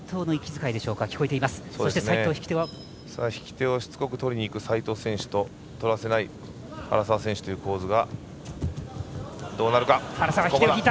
引き手をしつこく取りにいく斉藤選手と取らせない原沢選手という構図。